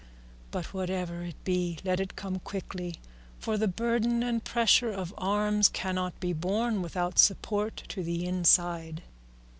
But whatever it be let it come quickly, for the burden and pressure of arms cannot be borne without support to the inside."